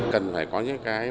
cần phải có những cái